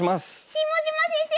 下島先生